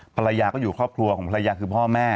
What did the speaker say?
ภรรยาก็อยู่ครอบครัวของภรรยาคือพ่อแม่